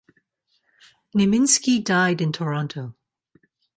Nieminski died in Toronto.